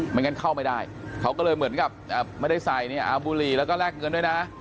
งั้นเข้าไม่ได้เขาก็เลยเหมือนกับไม่ได้ใส่เนี่ยเอาบุหรี่แล้วก็แลกเงินด้วยนะ